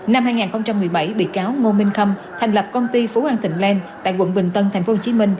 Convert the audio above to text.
năm hai nghìn một mươi bảy bị cáo ngô minh khâm thành lập công ty phú an thịnh lan tại quận bình tân tp hcm